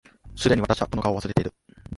既に私はこの顔を忘れている